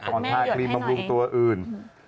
ทาครีมบำรุงตัวอื่น